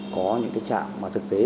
có những cái trạm mà thực tế